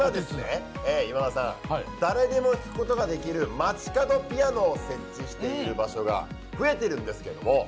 今、誰でも弾くことができる街角ピアノを設置している場所が増えているんですけども。